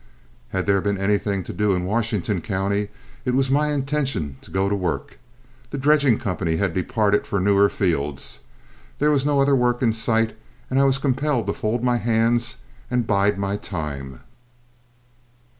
Had there been anything to do in Washington County, it was my intention to go to work. The dredging company had departed for newer fields, there was no other work in sight, and I was compelled to fold my hands and bide my time.